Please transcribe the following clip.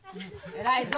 偉いぞ。